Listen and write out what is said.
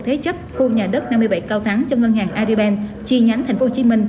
thế chấp khu nhà đất năm mươi bảy cao thắng cho ngân hàng aribank chi nhánh tp hcm